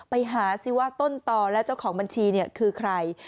ไปหาสิว่าต้นต่อและเจ้าของบัญชีคือใคร